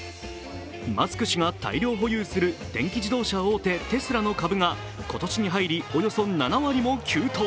マスク氏が大量保有する電気自動車大手テスラの株が今年に入りおよそ７割も急騰。